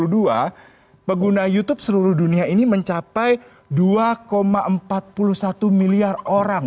jadi dari tahun dua ribu dua puluh pengguna youtube seluruh dunia ini mencapai dua empat puluh satu miliar orang